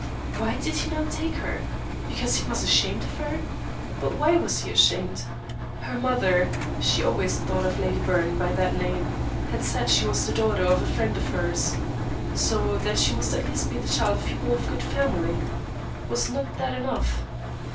Why did he not take her? Because he was ashamed of her? But why was he ashamed? Her mother she always thought of Lady Byrne by that name had said she was the daughter of a friend of hers. So that she must at least be the child of people of good family. Was not that enough?